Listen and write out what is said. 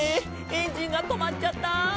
エンジンがとまっちゃった！」